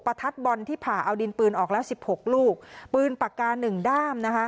ประทัดบนที่ผ่าเอาดินปืนออกแล้ว๑๖ลูกปืนปากกา๑ด้าม